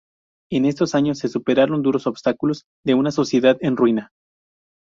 En estos años se superaron duros obstáculos de una sociedad en ruina.